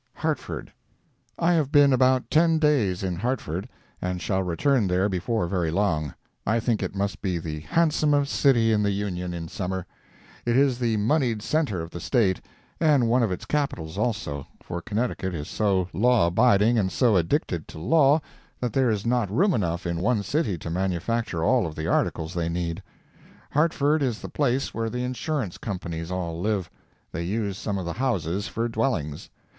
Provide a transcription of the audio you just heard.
HARTFORD I have been about ten days in Hartford, and shall return there before very long. I think it must be the handsomest city in the Union, in summer. It is the moneyed center of the State; and one of its capitals, also, for Connecticut is so law abiding, and so addicted to law, that there is not room enough in one city to manufacture all of the articles they need. Hartford is the place where the insurance companies all live. They use some of the houses for dwellings.